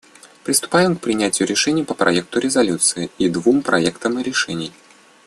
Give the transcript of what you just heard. Приступаем к принятию решения по проекту резолюции и двум проектам решений.